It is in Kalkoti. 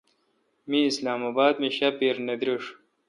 می اسلام اباد مے° شاپیر نہ دریݭ۔